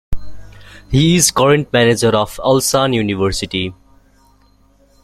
He is current manager of Ulsan University.